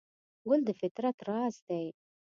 ګل د فطرت راز دی.